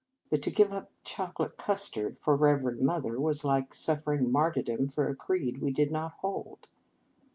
But to give up chocolate cus tard for Reverend Mother was like suffering martyrdom for a creed we did not hold.